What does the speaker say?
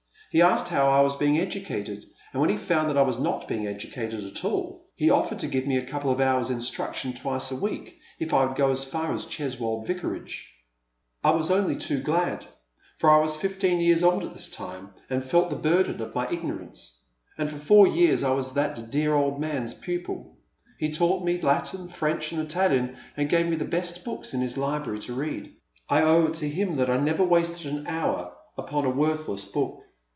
He asked how I was being educated, and when he found that I was not being educated at all, he offered to give me a couple of hours' instniction twice a week if I would go as far as Cheswold Vicarage. I w«« only to» Fallen hy tTie Wayside. 227 gla^— for I was fifteen yeara old at this time, and felt the barden of my ignorance, — and for four years I was that dear old man's pupil. He taught me Latin, French, and Italian, and gave me the best books in his library to read. I owe it to him that I never wasted an hour upon a worthless book.